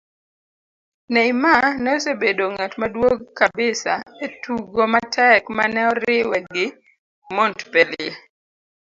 Neymar ne osebedo ng'at maduog' kabisa e tugo matek mane oriwe gi Montpellier